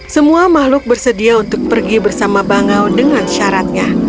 semua makhluk bersedia untuk pergi bersama bangau dengan syaratnya